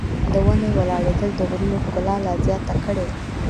د ونې ولاړېدل د غرونو ښکلا لا زیاته کړې وه.